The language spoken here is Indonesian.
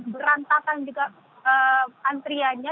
berantakan juga antriannya